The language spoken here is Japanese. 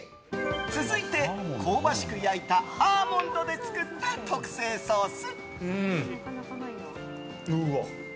続いて、香ばしく焼いたアーモンドで作った特製ソース。